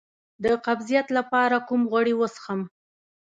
د قبضیت لپاره کوم غوړي وڅښم؟